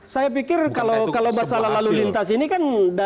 saya pikir kalau masalah lalu lintas ini kan